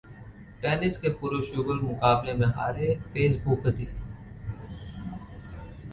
tennis के पुरुष युगल मुकाबले में हारे पेस-भूपति